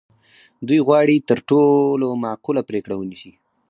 دوی غواړي تر ټولو معقوله پرېکړه ونیسي.